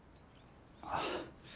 ああ。